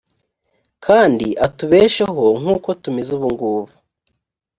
kandi atubesheho nk’uko tumeze ubu ngubu.